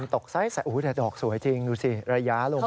น้ำตกซ้ายโอ้โฮแต่ดอกสวยจริงดูสิระยะลงมา